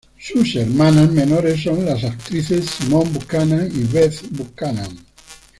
Sus hermanas menores son las actrices Simone Buchanan y Beth Buchanan.